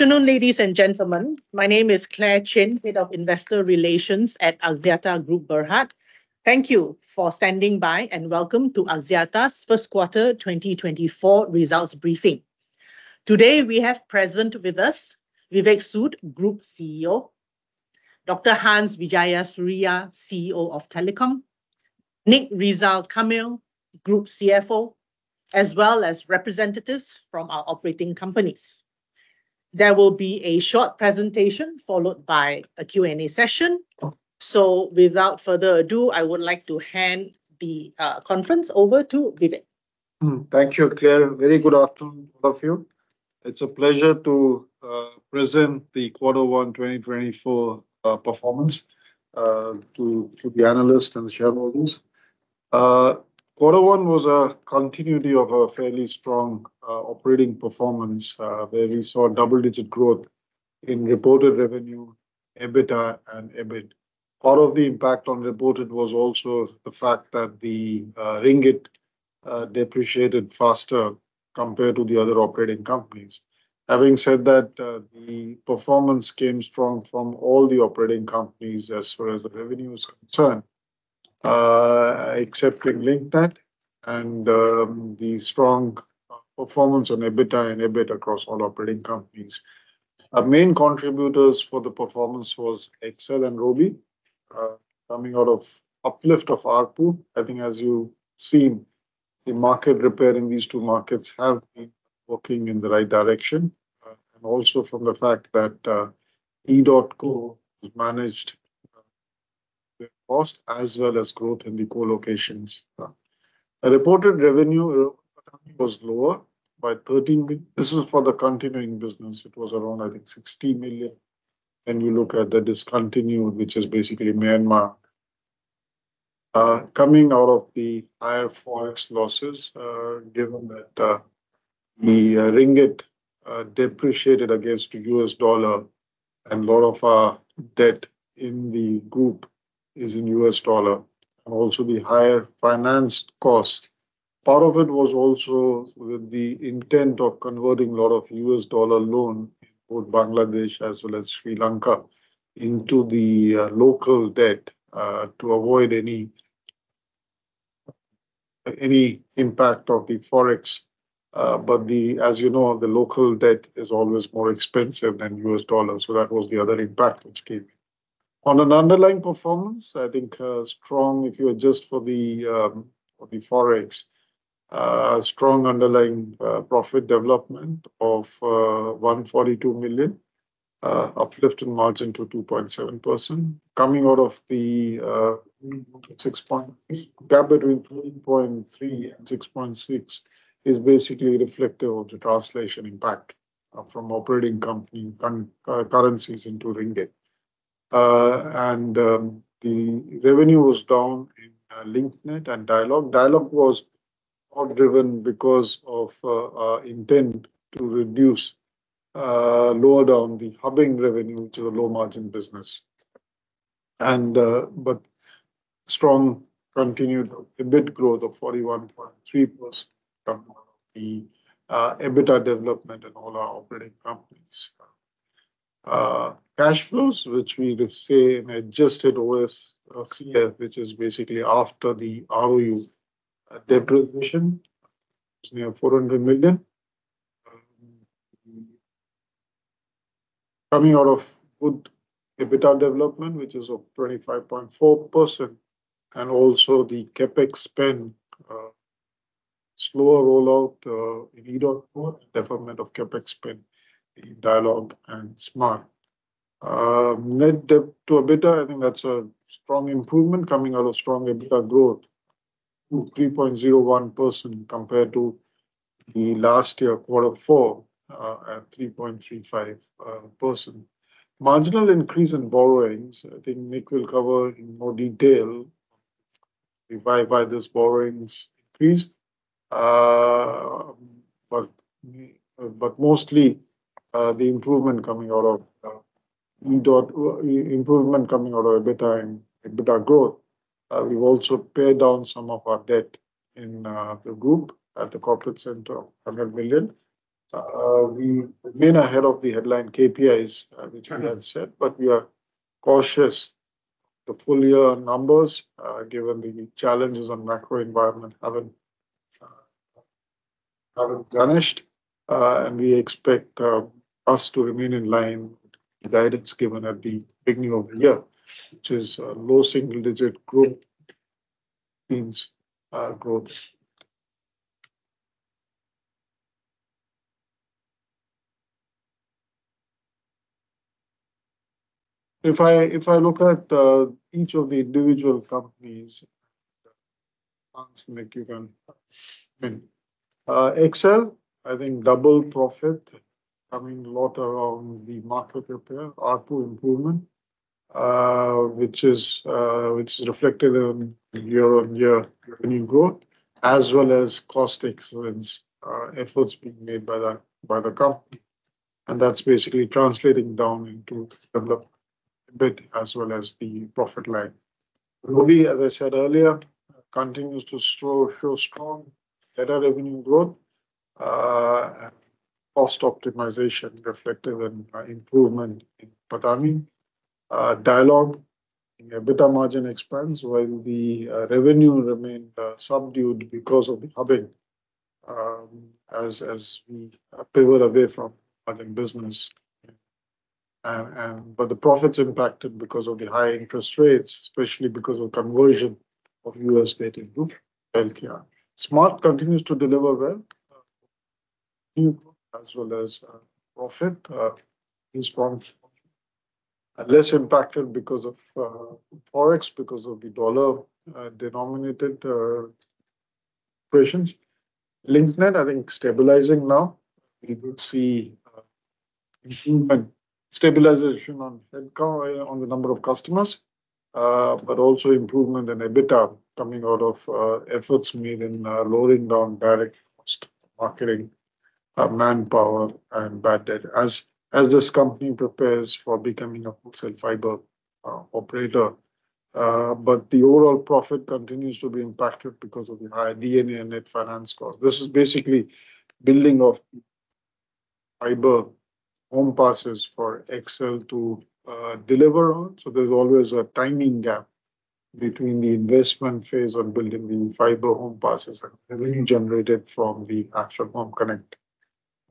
Afternoon, ladies and gentlemen. My name is Claire Chin, Head of Investor Relations at Axiata Group Berhad. Thank you for standing by, and welcome to Axiata's first quarter 2024 results briefing. Today, we have present with us, Vivek Sood, Group CEO; Dr. Hans Wijayasuriya, CEO of Telecom; Nik Rizal Kamil, Group CFO; as well as representatives from our operating companies. There will be a short presentation, followed by a Q&A session. So without further ado, I would like to hand the conference over to Vivek. Thank you, Claire. Very good afternoon, all of you. It's a pleasure to present the Quarter One 2024 performance to the analysts and the shareholders. Quarter One was a continuity of a fairly strong operating performance where we saw double-digit growth in reported revenue, EBITDA and EBIT. Part of the impact on reported was also the fact that the ringgit depreciated faster compared to the other operating companies. Having said that, the performance came strong from all the operating companies as far as the revenue is concerned, excepting Link Net and the strong performance on EBITDA and EBIT across all operating companies. Our main contributors for the performance was XL and Robi coming out of uplift of ARPU. I think as you've seen, the market repair in these two markets have been working in the right direction. And also from the fact that, EDOTCO has managed the cost as well as growth in the colocations. The reported revenue was lower by 13 billion, this is for the continuing business. It was around, I think, 60 million. When you look at the discontinued, which is basically Myanmar. Coming out of the higher Forex losses, given that the ringgit depreciated against the US dollar, and a lot of our debt in the group is in US dollar, and also the higher finance cost. Part of it was also with the intent of converting a lot of US dollar loan in both Bangladesh as well as Sri Lanka, into the local debt, to avoid any impact of the Forex. But the... As you know, the local debt is always more expensive than U.S. dollars, so that was the other impact which came. On an underlying performance, I think strong, if you adjust for the Forex, strong underlying profit development of 142 million uplift in margin to 2.7%. Coming out of the six-point gap between 13.3% and 6.6% is basically reflective of the translation impact from operating company currencies into ringgit. And the revenue was down in Link Net and Dialog. Dialog was all driven because of our intent to reduce lower down the hubbing revenue to the low-margin business. But strong continued EBIT growth of 41.3% from the EBITDA development in all our operating companies. Cash flows, which we would say an adjusted OFCF, which is basically after the ROU depreciation, is near MYR 400 million. Coming out of good EBITDA development, which is of 25.4%, and also the CapEx spend, slower rollout in EDOTCO, deferment of CapEx spend in Dialog and Smart. Net debt to EBITDA, I think that's a strong improvement coming out of strong EBITDA growth, to 3.01%, compared to the last year, Quarter Four, at 3.35%. Marginal increase in borrowings, I think Nik will cover in more detail, why, why this borrowings increased. But, but mostly, the improvement coming out of, improvement coming out of EBITDA and EBITDA growth. We've also paid down some of our debt in, the group at the corporate center, 100 million. We've been ahead of the headline KPIs, which we have set, but we are cautious the full year numbers, given the challenges on macro environment haven't vanished. And we expect us to remain in line with the guidance given at the beginning of the year, which is a low single-digit growth means, growth. If I look at each of the individual companies, Hans, Nik, you can... XL, I think double profit, coming a lot around the market repair, ARPU improvement, which is reflected in year-on-year revenue growth, as well as cost excellence efforts being made by the company. And that's basically translating down into EBITDA a bit as well as the profit line. Robi, as I said earlier, continues to show strong data revenue growth and cost optimization reflective in improvement in PATAMI. Dialog, EBITDA margin expands, while the revenue remained subdued because of the hubbing as we pivot away from other business. But the profits impacted because of the high interest rates, especially because of conversion of U.S. debt into LKR. Smart continues to deliver well, as well as profit response, and less impacted because of Forex, because of the dollar denominated operations. Link Net, I think, stabilizing now. We could see improvement, stabilization on head count, on the number of customers, but also improvement in EBITDA coming out of efforts made in lowering down direct cost marketing, manpower and bad debt, as this company prepares for becoming a wholesale fiber operator. But the overall profit continues to be impacted because of the high D&A and net finance cost. This is basically building of fiber home passes for XL to deliver on. So there's always a timing gap between the investment phase of building the fiber home passes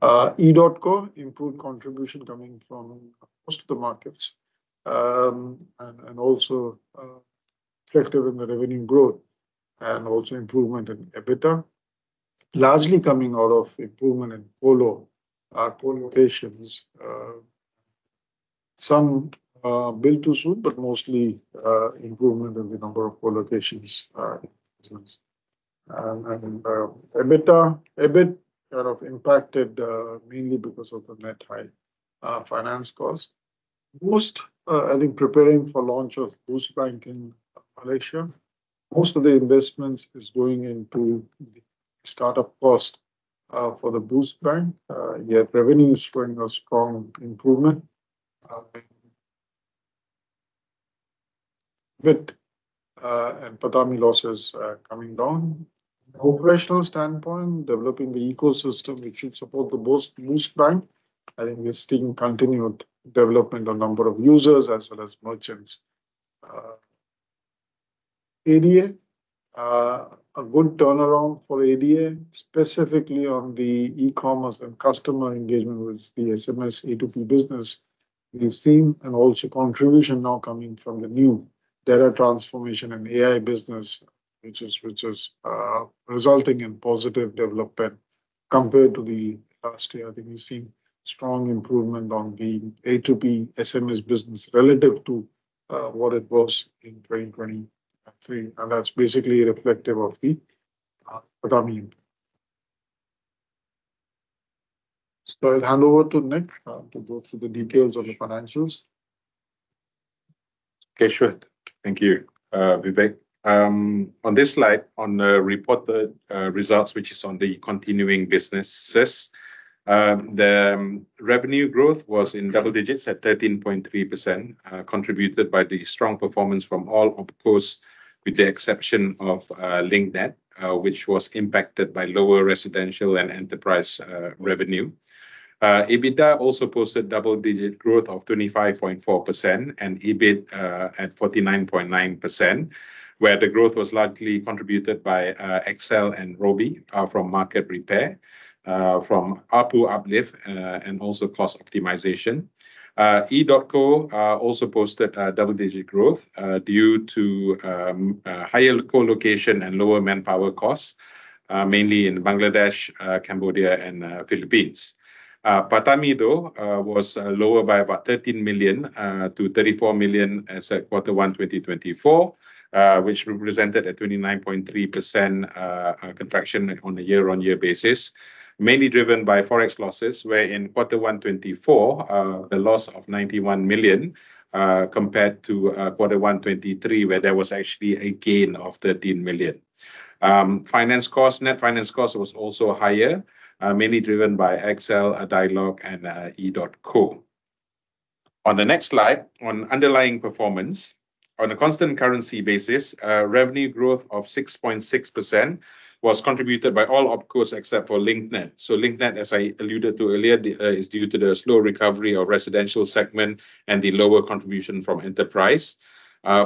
and revenue generated from the actual home connect. EDOTCO improved contribution coming from most of the markets, and also effective in the revenue growth and also improvement in EBITDA, largely coming out of improvement in colo co-locations. Some built-to-suit, but mostly improvement in the number of colocations business. And EBITDA, EBIT kind of impacted mainly because of the net high finance cost. Most... I think preparing for launch of Boost Bank in Malaysia, most of the investments is going into the start-up cost for the Boost Bank. Yet revenue is showing a strong improvement with and PATAMI losses coming down. Operational standpoint, developing the ecosystem, which should support the Boost Bank. I think we're seeing continued development on number of users as well as merchants. ADA, a good turnaround for ADA, specifically on the e-commerce and customer engagement with the SMS A2P business we've seen, and also contribution now coming from the new data transformation and AI business, which is resulting in positive development. Compared to the last year, I think we've seen strong improvement on the A2P SMS business relative to, what it was in 2023, and that's basically reflective of the, PATAMI. So I'll hand over to Nik, to go through the details of the financials. Okay, sure. Thank you, Vivek. On this slide, on the reported results, which is on the continuing businesses, the revenue growth was in double digits at 13.3%, contributed by the strong performance from all OpCos, with the exception of Link Net, which was impacted by lower residential and enterprise revenue. EBITDA also posted double-digit growth of 25.4%, and EBIT at 49.9%, where the growth was largely contributed by XL and Robi, from market repair, from ARPU uplift, and also cost optimization. EDOTCO also posted double-digit growth due to higher colocation and lower manpower costs, mainly in Bangladesh, Cambodia and Philippines. PATAMI, though, was lower by about 13 million to 34 million as at quarter 1 2024, which represented a 29.3% contraction on a year-on-year basis. Mainly driven by Forex losses, where in quarter 1 2024, the loss of 91 million compared to quarter 1 2023, where there was actually a gain of 13 million. Finance costs, net finance costs was also higher, mainly driven by XL, Dialog and EDOTCO. On the next slide, on underlying performance. On a constant currency basis, revenue growth of 6.6% was contributed by all OpCos except for Link Net. So Link Net, as I alluded to earlier, is due to the slow recovery of residential segment and the lower contribution from enterprise.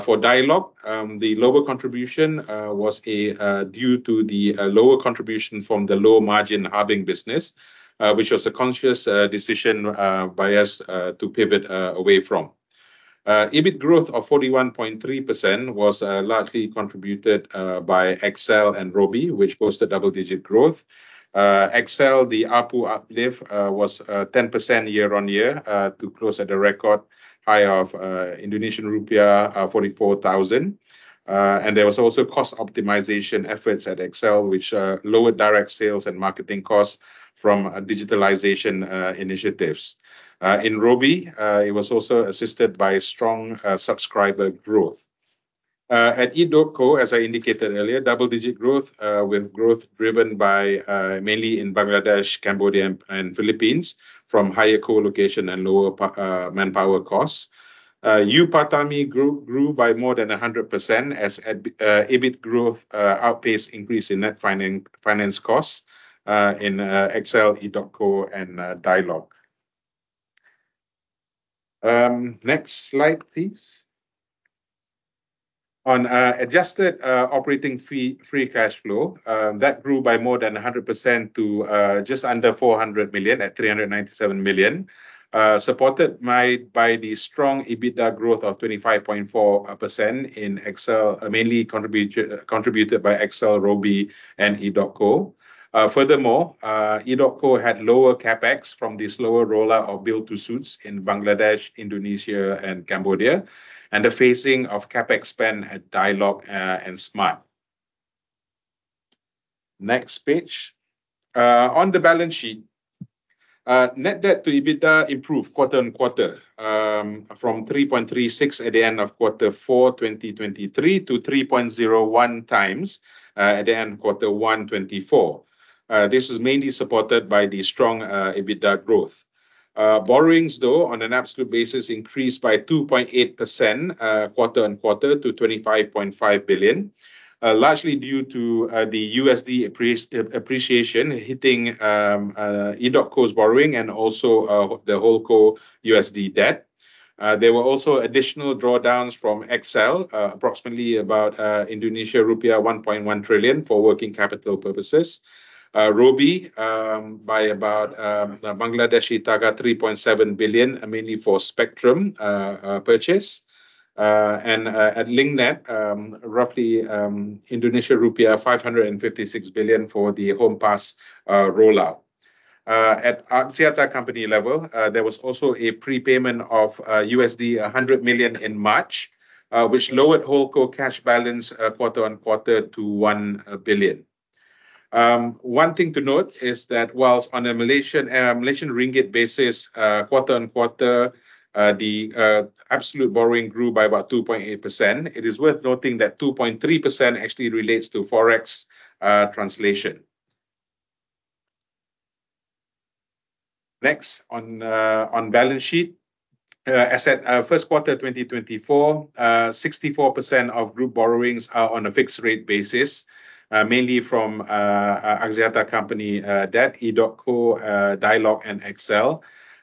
For Dialog, the lower contribution was due to the lower contribution from the low-margin hubbing business, which was a conscious decision by us to pivot away from. EBIT growth of 41.3% was largely contributed by XL and Robi, which posted double-digit growth. XL, the ARPU uplift was 10% year-on-year to close at a record high of rupiah 44,000. And there was also cost optimization efforts at XL, which lowered direct sales and marketing costs from digitalization initiatives. In Robi, it was also assisted by strong subscriber growth. At EDOTCO, as I indicated earlier, double-digit growth with growth driven by mainly in Bangladesh, Cambodia, and Philippines, from higher colocation and lower manpower costs. PATAMI grew by more than 100% as EBIT growth outpaced increase in net finance costs in XL, EDOTCO, and Dialog. Next slide, please. On adjusted operating free cash flow, that grew by more than 100% to just under 400 million, at 397 million. Supported by the strong EBITDA growth of 25.4% in XL, mainly contributed by XL, Robi, and EDOTCO. Furthermore, EDOTCO had lower CapEx from the slower rollout of build-to-suit in Bangladesh, Indonesia, and Cambodia, and the phasing of CapEx spend at Dialog and Smart. Next page. On the balance sheet, net debt to EBITDA improved quarter-over-quarter, from 3.36 at the end of Quarter Four 2023, to 3.01x, at the end of Quarter One 2024. This is mainly supported by the strong EBITDA growth. Borrowings, though, on an absolute basis, increased by 2.8%, quarter-over-quarter, to 25.5 billion. Largely due to the USD appreciation hitting EDOTCO's borrowing and also the Holdco USD debt. There were also additional drawdowns from XL, approximately about Indonesia rupiah 1.1 trillion for working capital purposes. Robi, by about BDT 3.7 billion, mainly for spectrum purchase. And at Link Net, roughly rupiah 556 billion for the Home Pass rollout. At Axiata company level, there was also a prepayment of $100 million in March, which lowered Holdco cash balance quarter-on-quarter to 1 billion. One thing to note is that while on a Malaysian ringgit basis, quarter-on-quarter, the absolute borrowing grew by about 2.8%, it is worth noting that 2.3% actually relates to Forex translation. Next, on balance sheet. As at first quarter 2024, 64% of group borrowings are on a fixed rate basis, mainly from Axiata company debt, EDOTCO, Dialog, and XL.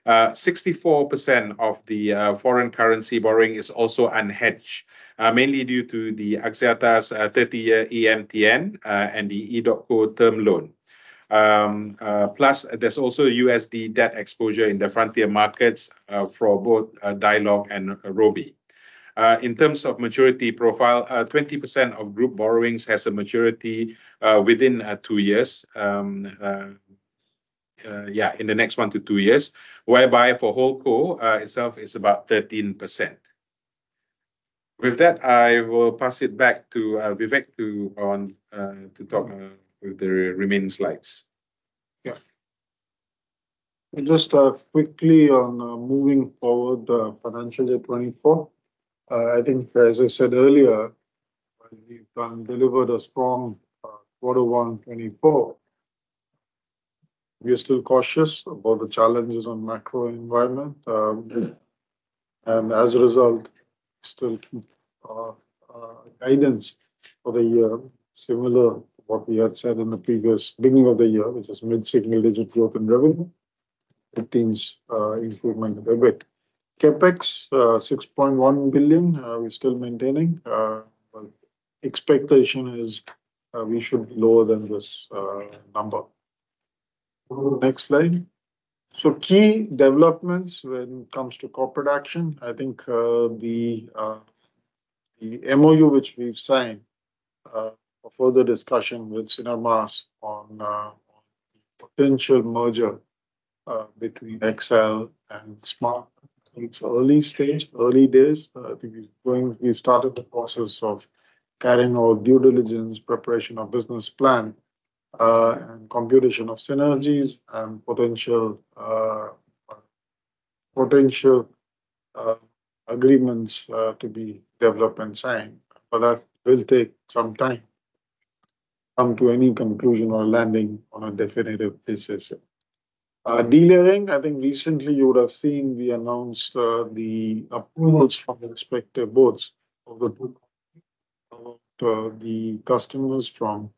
64% of the foreign currency borrowing is also unhedged, mainly due to Axiata's 30-year EMTN and the EDOTCO term loan. Plus, there's also USD debt exposure in the frontier markets for both Dialog and Robi. In terms of maturity profile, 20% of group borrowings has a maturity within two years. Yeah, in the next one to two years, whereby for OpCo itself is about 13%. With that, I will pass it back to Vivek to talk about the remaining slides. Yeah. Just quickly on moving forward financially 2024. I think, as I said earlier, we've delivered a strong Quarter 1 2024. We are still cautious about the challenges on macro environment, and as a result, still guidance for the year, similar to what we had said in the previous beginning of the year, which is mid-single-digit growth in revenue, 15% improvement in EBIT. CapEx 6.1 billion, we're still maintaining. Expectation is we should be lower than this number. Next slide. So key developments when it comes to corporate action, I think the MOU, which we've signed, for further discussion with Sinar Mas on potential merger between XL Axiata and Smartfren. It's early stage, early days. I think we've started the process of carrying out due diligence, preparation of business plan, and computation of synergies and potential agreements to be developed and signed, but that will take some time to come to any conclusion or landing on a definitive basis. Regarding, I think recently you would have seen we announced the approvals from the respective boards of the two, the customers from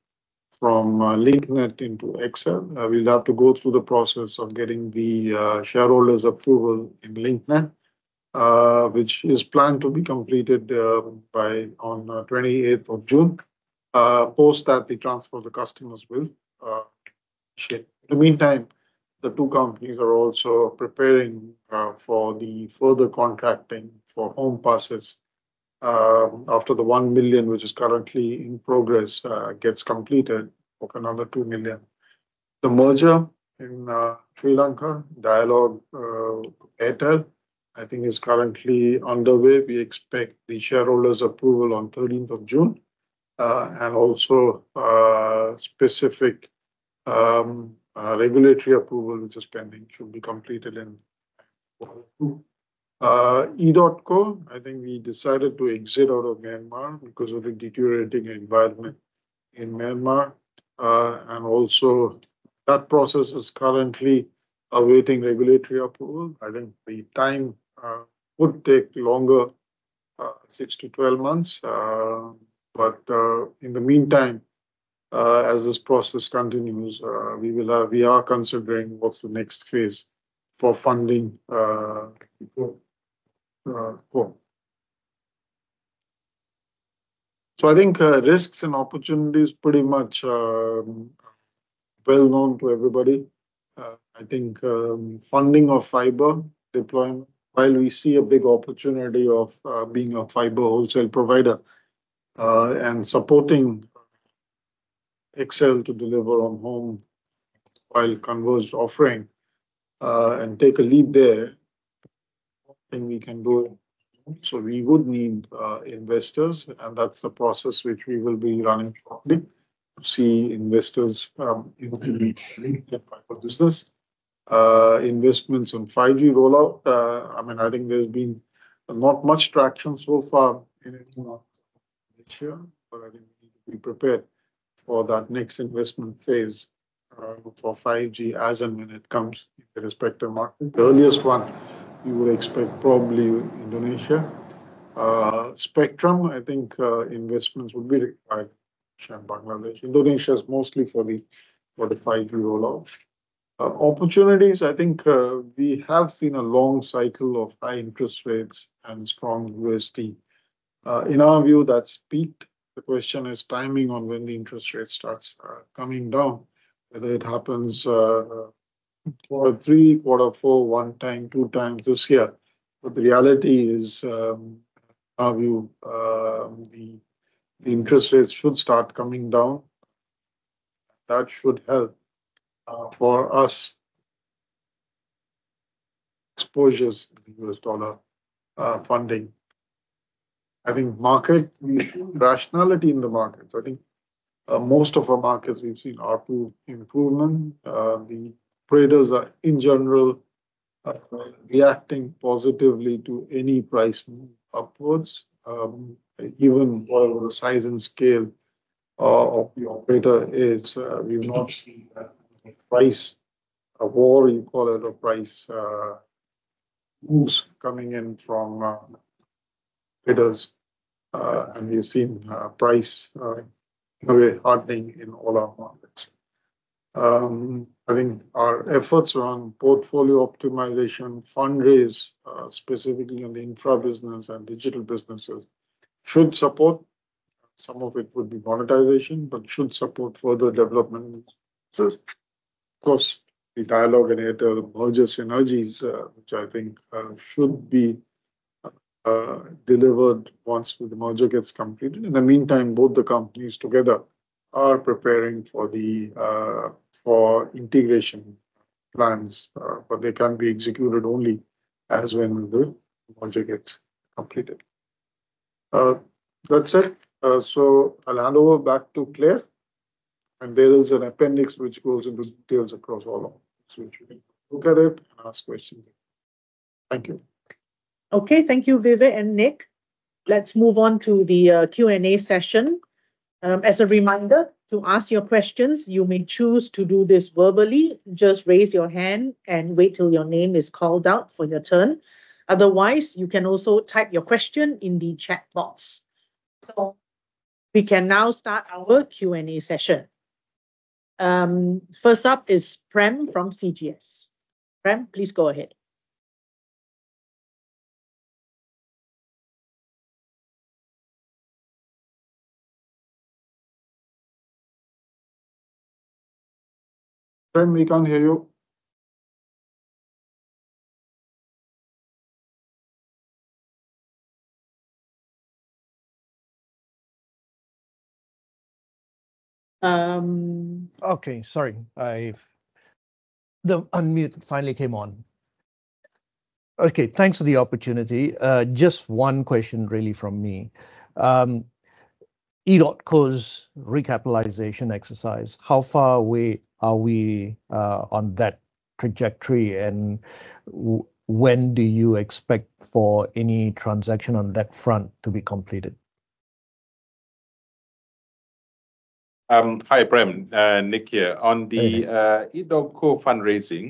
Link Net into XL. We'll have to go through the process of getting the shareholders approval in Link Net, which is planned to be completed by on the twenty-eighth of June. Post that, the transfer of the customers will shift. In the meantime, the two companies are also preparing for the further contracting for home passes after the 1 million, which is currently in progress, gets completed, of another two million. The merger in Sri Lanka, Dialog Airtel, I think is currently underway. We expect the shareholders approval on thirteenth of June. And also, specific regulatory approval, which is pending, should be completed in May. EDOTCO, I think we decided to exit out of Myanmar because of the deteriorating environment in Myanmar. And also that process is currently awaiting regulatory approval. I think the time would take longer, six-12 months. But in the meantime, as this process continues, we will have - we are considering what's the next phase for funding OpCo. So I think risks and opportunities pretty much well known to everybody. I think funding of fiber deployment, while we see a big opportunity of being a fiber wholesale provider, and supporting XL to deliver on home while converged offering, and take a lead there, then we can do it. So we would need investors, and that's the process which we will be running shortly, to see investors in the fiber business. Investments on 5G rollout, I mean, I think there's been not much traction so far in anything out next year, but I think we need to be prepared for that next investment phase for 5G, as and when it comes in the respective market. The earliest one we would expect, probably Indonesia. Spectrum, I think investments would be required by Bangladesh. Indonesia is mostly for the 5G rollout. Opportunities, I think, we have seen a long cycle of high interest rates and strong USD. In our view, that's peaked. The question is timing on when the interest rate starts coming down, whether it happens quarter three, quarter four, one time, two times this year. But the reality is, our view, the interest rates should start coming down. That should help for us exposures in the US dollar funding. I think market rationality in the markets. I think most of our markets we've seen are to improvement. The traders are, in general, reacting positively to any price move upwards. Even whatever the size and scale of the operator is, we've not seen a price war, you call it a price, who's coming in from traders. And we've seen price very hardening in all our markets. I think our efforts around portfolio optimization, fundraise, specifically in the infra business and digital businesses, should support. Some of it would be monetization, but should support further development. So of course, the Dialog and Airtel merger's synergies, which I think, should be delivered once the merger gets completed. In the meantime, both the companies together are preparing for the, for integration plans, but they can be executed only as when the merger gets completed. That's it. I'll hand over back to Claire, and there is an appendix which goes into details across all of them. You can look at it and ask questions. Thank you. Okay. Thank you, Vivek and Nik. Let's move on to the Q&A session. As a reminder, to ask your questions, you may choose to do this verbally. Just raise your hand and wait till your name is called out for your turn. Otherwise, you can also type your question in the chat box. So we can now start our Q&A session. First up is Prem from CGS. Prem, please go ahead. Prem, we can't hear you. Um- Okay, sorry. The unmute finally came on. Okay, thanks for the opportunity. Just one question, really, from me. EDOTCO's recapitalization exercise, how far away are we on that trajectory, and when do you expect for any transaction on that front to be completed? Hi, Prem. Nik here. Hi. On the EDOTCO fundraising,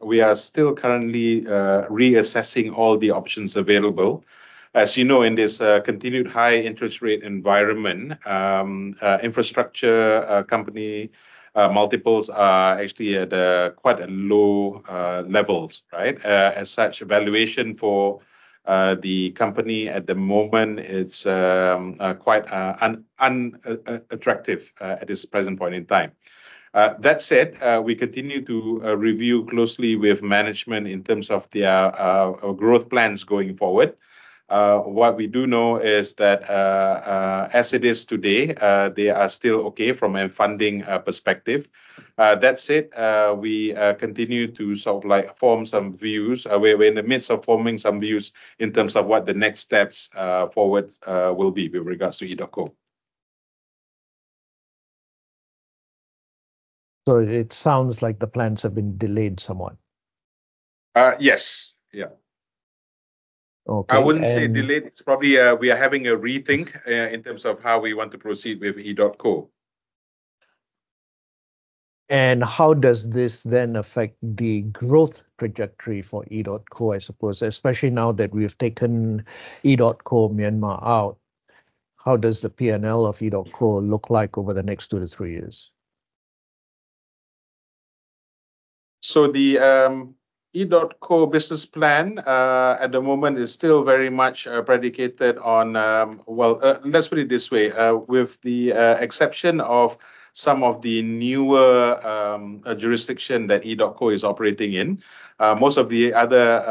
we are still currently reassessing all the options available. As you know, in this continued high interest rate environment, infrastructure company multiples are actually at quite a low levels, right? As such, valuation for the company at the moment is quite unattractive at this present point in time. That said, we continue to review closely with management in terms of their growth plans going forward. What we do know is that as it is today, they are still okay from a funding perspective. That said, we continue to sort of like form some views. We're in the midst of forming some views in terms of what the next steps forward will be with regards to EDOTCO.... So it sounds like the plans have been delayed somewhat? Yes. Yeah. Okay, and- I wouldn't say delayed. It's probably we are having a rethink in terms of how we want to proceed with EDOTCO. How does this then affect the growth trajectory for EDOTCO, I suppose, especially now that we have taken EDOTCO Myanmar out, how does the P&L of EDOTCO look like over the next two to three years? So the EDOTCO business plan at the moment is still very much predicated on... Well, let's put it this way, with the exception of some of the newer jurisdictions that EDOTCO is operating in, most of the other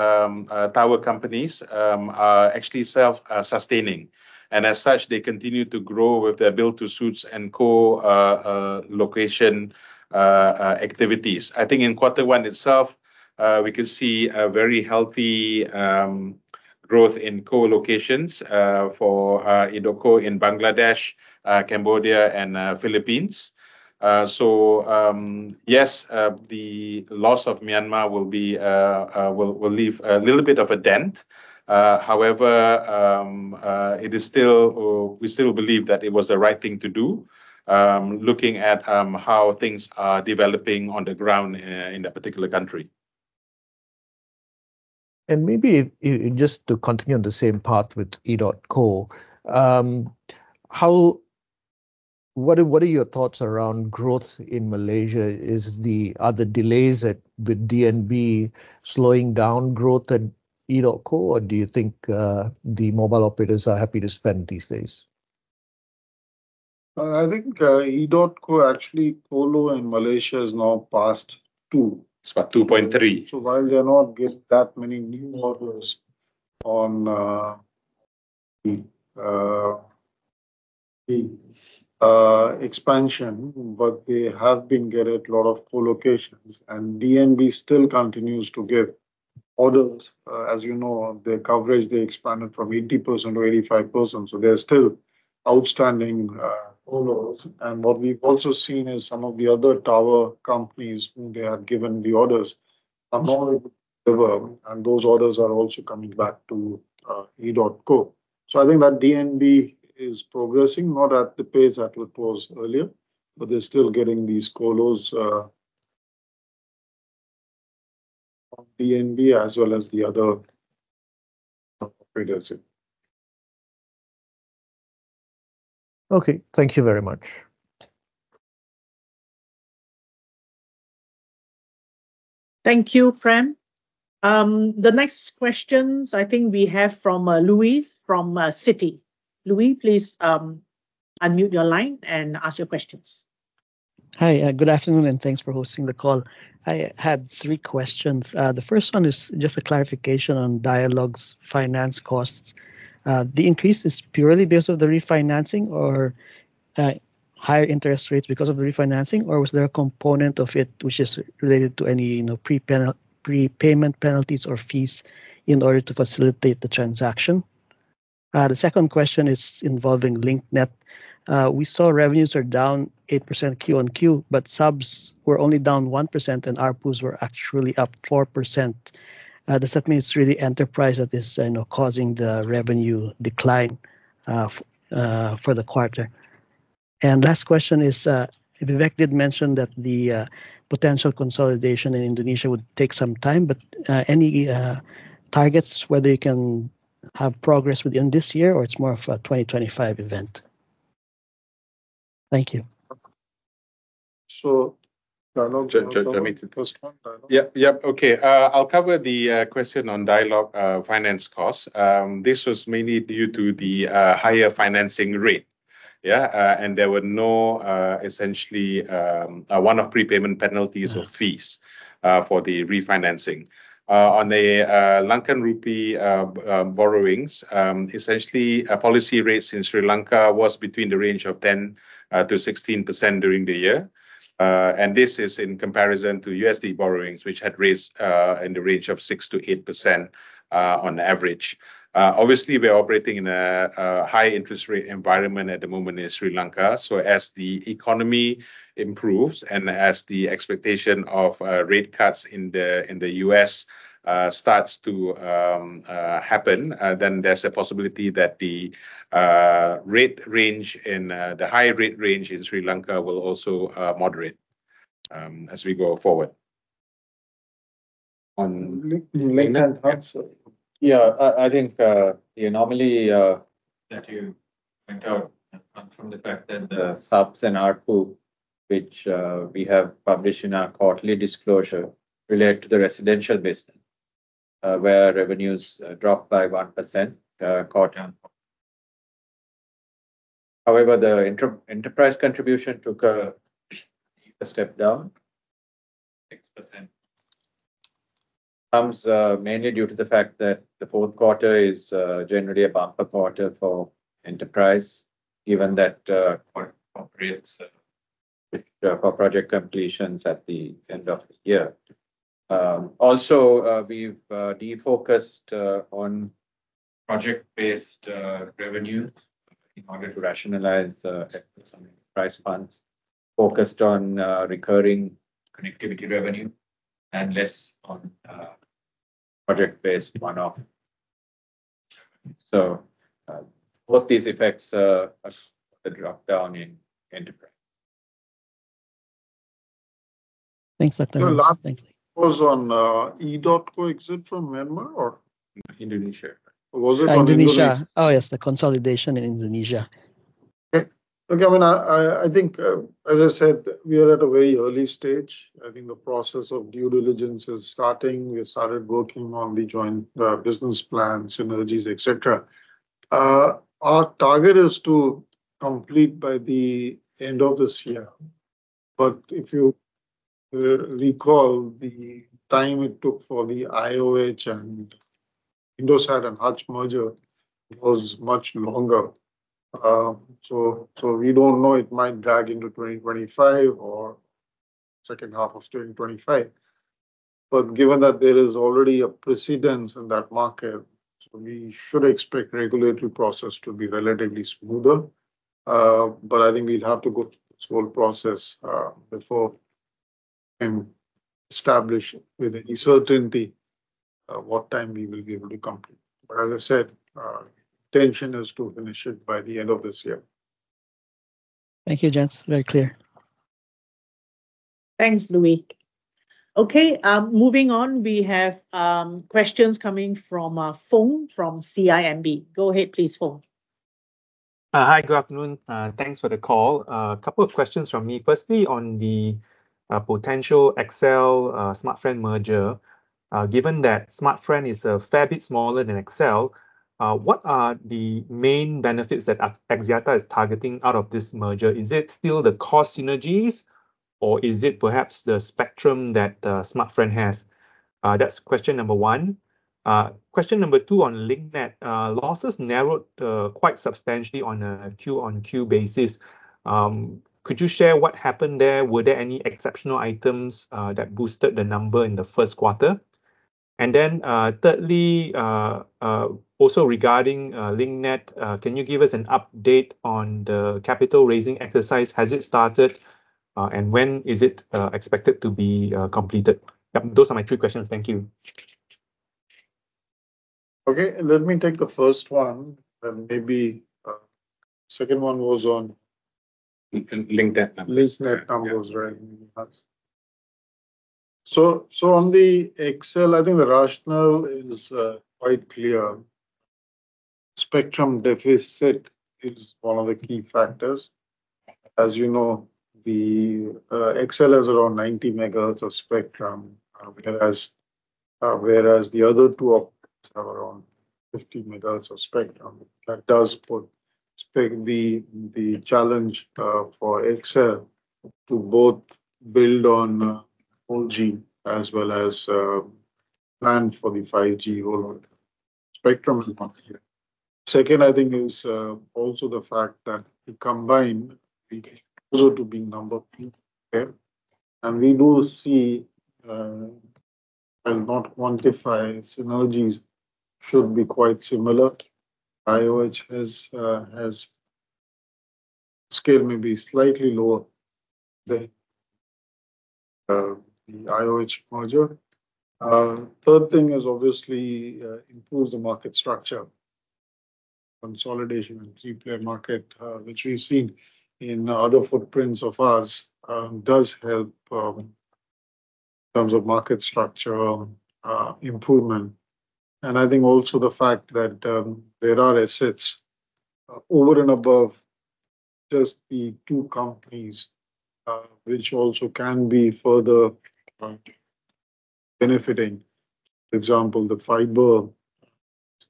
tower companies are actually self-sustaining, and as such, they continue to grow with their build-to-suits and co-location activities. I think in quarter one itself, we can see a very healthy growth in co-locations for EDOTCO in Bangladesh, Cambodia, and Philippines. So yes, the loss of Myanmar will leave a little bit of a dent. However, we still believe that it was the right thing to do, looking at how things are developing on the ground in that particular country. Maybe, just to continue on the same path with EDOTCO, what are your thoughts around growth in Malaysia? Is the other delays at, with DNB slowing down growth at EDOTCO, or do you think the mobile operators are happy to spend these days? I think, EDOTCO, actually, colo in Malaysia is now past 2. It's about 2.3. So while they're not get that many new orders on the expansion, but they have been getting a lot of colocations, and DNB still continues to give orders. As you know, the coverage, they expanded from 80% to 85%, so there are still outstanding colos. And what we've also seen is some of the other tower companies, they have given the orders are more, and those orders are also coming back to EDOTCO. So I think that DNB is progressing, not at the pace that it was earlier, but they're still getting these colos from DNB as well as the other operators. Okay. Thank you very much. Thank you, Prem. The next questions I think we have from Luis from Citi. Luis, please, unmute your line and ask your questions. Hi, good afternoon, and thanks for hosting the call. I had three questions. The first one is just a clarification on Dialog's finance costs. The increase is purely based on the refinancing or, higher interest rates because of the refinancing, or was there a component of it which is related to any, you know, prepayment penalties or fees in order to facilitate the transaction? The second question is involving Link Net. We saw revenues are down 8% Q on Q, but subs were only down 1%, and ARPUs were actually up 4%. Does that mean it's really enterprise that is, you know, causing the revenue decline, for the quarter? Last question is, Vivek did mention that the potential consolidation in Indonesia would take some time, but any targets whether you can have progress within this year, or it's more of a 2025 event? Thank you. So Dialog- Do you want me to first one, Dialog? Yep, yep. Okay, I'll cover the question on Dialog finance costs. This was mainly due to the higher financing rate. Yeah, and there were no essentially one-off prepayment penalties- Mm-hmm... or fees for the refinancing. On the Lankan rupee borrowings, essentially, a policy rate in Sri Lanka was between the range of 10%-16% during the year. And this is in comparison to USD borrowings, which had raised in the range of 6%-8% on average. Obviously, we are operating in a high interest rate environment at the moment in Sri Lanka, so as the economy improves and as the expectation of rate cuts in the U.S. starts to happen, then there's a possibility that the rate range in the high rate range in Sri Lanka will also moderate as we go forward. On- LinkNet also. Yeah, I think the anomaly that you went out from the fact that the subs and ARPU, which we have published in our quarterly disclosure, relate to the residential business, where revenues dropped by 1% quarter on. However, the inter-enterprise contribution took a step down 6%. Comes mainly due to the fact that the fourth quarter is generally a bumper quarter for enterprise, given that operates for project completions at the end of the year. Also, we've defocused on-... project-based revenues in order to rationalize some price funds focused on recurring connectivity revenue and less on project-based one-off. So, both these effects, a drop down in enterprise. Thanks, Satya. Your last thing was on, EDOTCO exit from Myanmar or? Indonesia. Was it- Indonesia. Oh, yes, the consolidation in Indonesia. Okay. Look, I mean, I think, as I said, we are at a very early stage. I think the process of due diligence is starting. We started working on the joint, business plans, synergies, et cetera. Our target is to complete by the end of this year, but if you recall, the time it took for the IOH and Indosat and Hutch merger was much longer. So we don't know, it might drag into 2025 or second half of 2025. But given that there is already a precedent in that market, so we should expect regulatory process to be relatively smoother. But I think we'll have to go through this whole process, before, and establish with any certainty, what time we will be able to complete. But as I said, intention is to finish it by the end of this year. Thank you, gents. Very clear. Thanks, Luis. Okay, moving on. We have questions coming from Foong, from CIMB. Go ahead, please, Foong. Hi, good afternoon. Thanks for the call. A couple of questions from me. Firstly, on the potential XL Smartfren merger. Given that Smartfren is a fair bit smaller than XL, what are the main benefits that Axiata is targeting out of this merger? Is it still the cost synergies, or is it perhaps the spectrum that Smartfren has? That's question number one. Question number two on Link Net. Losses narrowed quite substantially on a Q-on-Q basis. Could you share what happened there? Were there any exceptional items that boosted the number in the first quarter? And then, thirdly, also regarding Link Net, can you give us an update on the capital-raising exercise? Has it started, and when is it expected to be completed? Yep, those are my three questions. Thank you. Okay, let me take the first one, and maybe, second one was on? Linknet. Link Net was right. Nice. So on the XL, I think the rationale is quite clear. Spectrum deficit is one of the key factors. As you know, the XL has around 90 megahertz of spectrum, whereas the other two are around 50 megahertz of spectrum. That does put the challenge for XL to both build on 4G as well as plan for the 5G rollout. Spectrum is one thing. Second, I think, is also the fact that it combined closer to being number three, okay? And we do see, and not quantify, synergies should be quite similar. IOH has scale may be slightly lower than the IOH merger. Third thing is, obviously, improves the market structure. Consolidation in three-player market, which we've seen in other footprints of ours, does help, in terms of market structure, improvement. And I think also the fact that, there are assets, over and above just the two companies, which also can be further, benefiting. For example, the fiber,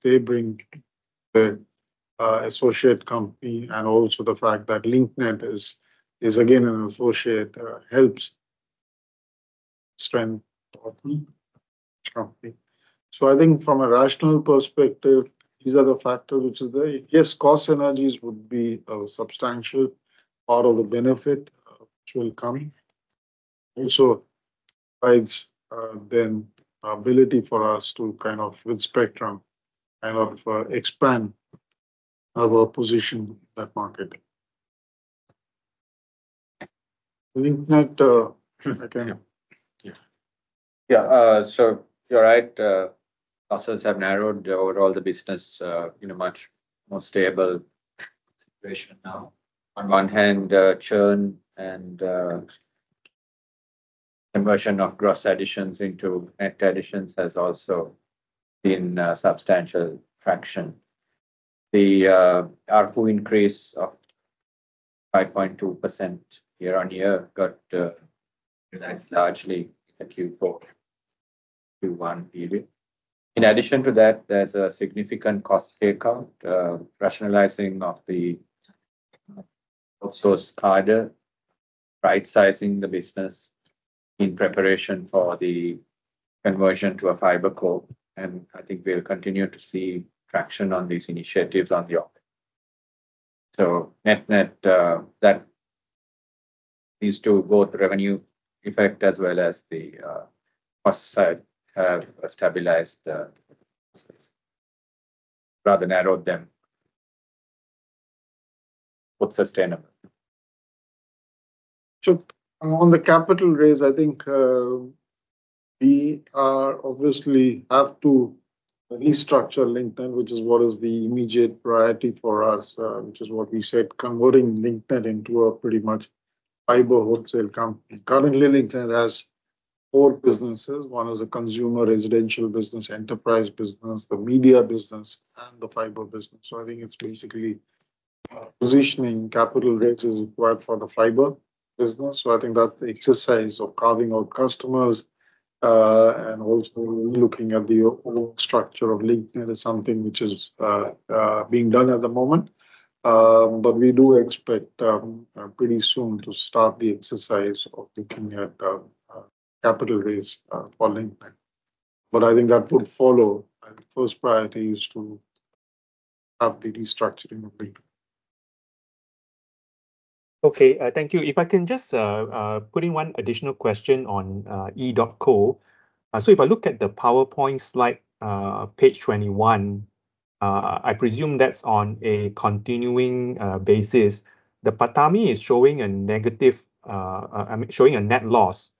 they bring the, associate company, and also the fact that Link Net is, is again an associate, helps strengthen company. So I think from a rational perspective, these are the factors which is there. Yes, cost synergies would be a substantial part of the business benefit, which will come. Also provides, then ability for us to kind of, with spectrum, kind of, expand our position in that market. Link Net, yeah. Yeah, so you're right, assets have narrowed overall the business, in a much more stable situation now. On one hand, churn and, conversion of gross additions into net additions has also been, substantial traction. The ARPU increase of 5.2% year-on-year got, realized largely in the Q4, Q1 period. In addition to that, there's a significant cost takeout, rationalizing of the outsourced cadre, right-sizing the business in preparation for the conversion to a fiber co, and I think we'll continue to see traction on these initiatives on the offer. So net-net, that-... these two, both revenue effect as well as the cost side have stabilized. They rather narrowed them. What's sustainable? So on the capital raise, I think, we are obviously have to restructure Link Net, which is what is the immediate priority for us, which is what we said, converting Link Net into a pretty much fiber wholesale company. Currently, Link Net has four businesses. One is a consumer residential business, enterprise business, the media business, and the fiber business. So I think it's basically, positioning capital raises required for the fiber business. So I think that the exercise of carving out customers, and also looking at the overall structure of Link Net is something which is, being done at the moment. But we do expect, pretty soon to start the exercise of looking at, capital raise, for Link Net. But I think that would follow, and first priority is to have the restructuring of Link Net. Okay, thank you. If I can just put in one additional question on EDOTCO. So if I look at the PowerPoint slide, page 21, I presume that's on a continuing basis. The PATAMI is showing a negative... showing a net loss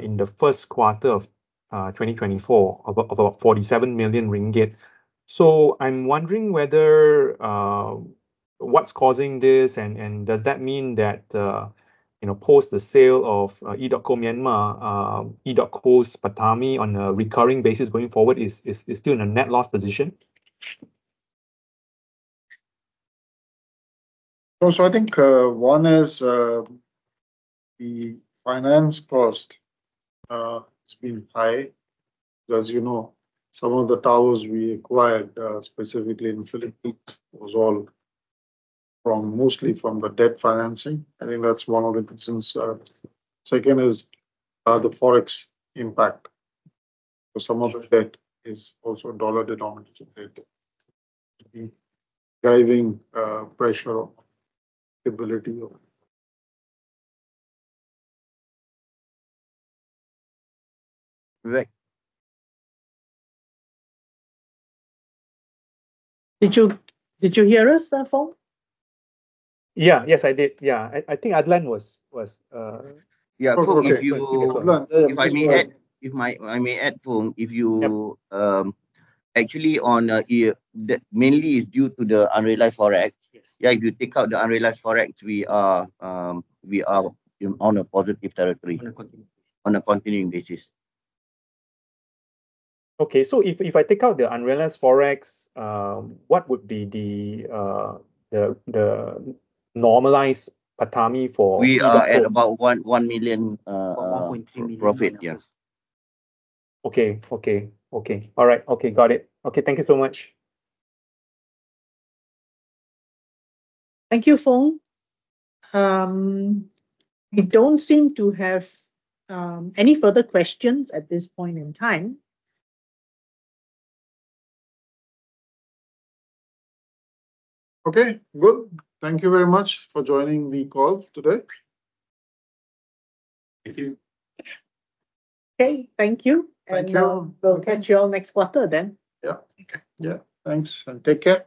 in the first quarter of 2024, of about 47 million ringgit. So I'm wondering whether what's causing this, and does that mean that, you know, post the sale of EDOTCO Myanmar, EDOTCO's PATAMI on a recurring basis going forward is still in a net loss position? I think one is the finance cost has been high, because, you know, some of the towers we acquired, specifically in Philippines, was all from, mostly from the debt financing. I think that's one of the reasons. Second is the Forex impact. So some of the debt is also dollar-denominated debt, to be driving pressure, stability of it. Vic? Did you hear us, Foong? Yeah. Yes, I did. Yeah. I think Adlan was... Yeah, if you- Go ahead. If I may add, Foong, if you- Yep... actually, yeah, that mainly is due to the unrealized Forex. Yes. Yeah, if you take out the unrealized Forex, we are in on a positive territory- On a continuing... on a continuing basis. Okay. So if I take out the unrealized Forex, what would be the normalized PATAMI for- We are at about 1.1 million, About 1 million... profit. Yes. Okay. Okay. Okay. All right. Okay, got it. Okay, thank you so much. Thank you, Foong. We don't seem to have any further questions at this point in time. Okay, good. Thank you very much for joining the call today. Thank you. Okay, thank you. Thank you. We'll, we'll catch you all next quarter then. Yeah. Okay. Yeah. Thanks, and take care.